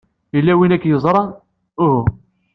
Yella win ay k-yeẓran? Uhu.